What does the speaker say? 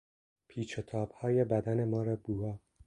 پیچ و تابهای بدن مار بوآ